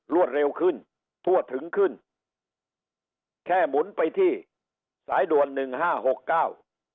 เร็วขึ้นทั่วถึงขึ้นแค่หมุนไปที่สายด่วนหนึ่งห้าหกเก้า